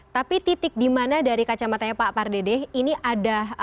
tapi titik dimana dari kacamatanya pak pardedeh ini ada